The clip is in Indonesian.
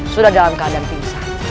sudah dalam keadaan pingsan